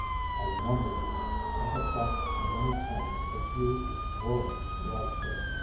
I remember now, I have thought many times, that you were like her